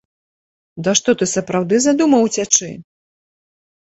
Ды што ты сапраўды задумаў уцячы?!